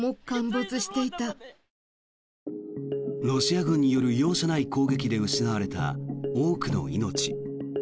ロシア軍による容赦ない攻撃で失われた多くの命。